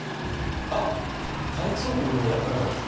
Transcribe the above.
あっ体育倉庫のほうにあったかも。